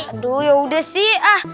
aduh yaudah sih